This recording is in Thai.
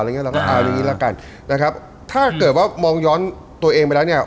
เราก็เอาอย่างงี้ละกันนะครับถ้าเกิดว่ามองย้อนตัวเองไปแล้วเนี่ย